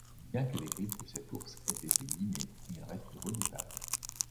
Bien que les griffes de cet ours aient été limées, il reste redoutable.